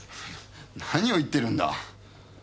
何を言ってるんだ？